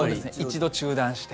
一度中断して。